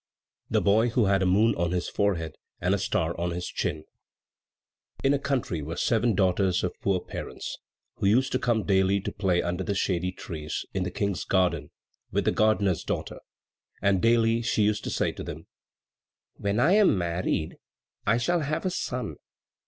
The Boy who had a Moon on his Forehead and a Star on his Chin In a country were seven daughters of poor parents, who used to come daily to play under the shady trees in the King's garden with the gardener's daughter; and daily she used to say to them, "When I am married I shall have a son.